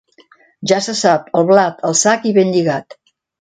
Ja se sap, el blat, el sac i ben lligat.